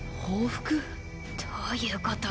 どういうこと？